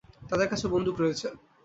তাদের কাছে বন্দুক রয়েছে।